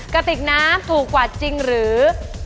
กระติกนะถูกกว่าจริงหรือ